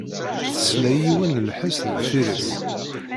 Tesla i yiwen n lḥess deffir-s.